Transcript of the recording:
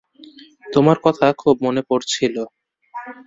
তোমার কথা খুব মনে পড়ছিল।